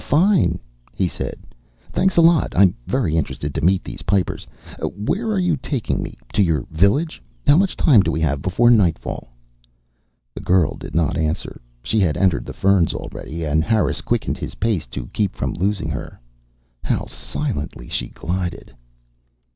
"Fine," he said. "Thanks a lot. I'm very interested to meet these Pipers. Where are you taking me, to your village? How much time do we have before nightfall?" The girl did not answer. She had entered the ferns already, and Harris quickened his pace to keep from losing her. How silently she glided!